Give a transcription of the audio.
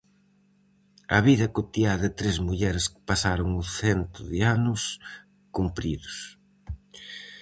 A vida cotiá de tres mulleres que pasaron o cento de anos cumpridos.